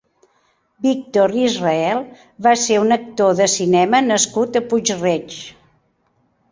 Víctor Israel va ser un actor de cinema nascut a Puig-reig.